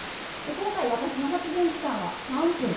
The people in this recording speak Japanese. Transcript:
今回、私の発言時間は３分。